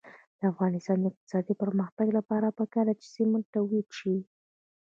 د افغانستان د اقتصادي پرمختګ لپاره پکار ده چې سمنټ تولید شي.